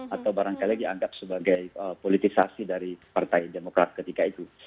atau barangkali dianggap sebagai politisasi dari partai demokrat ketika itu